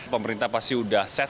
pemerintah pasti udah set